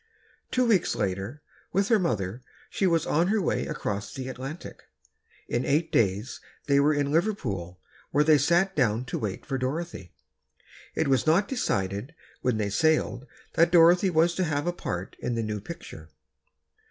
Two weeks later, with her mother, she was on her way across the Atlantic. In eight days they were in Liverpool where they sat down to wait for Dorothy. It was not decided when they sailed that Dorothy was to have a part in the new picture.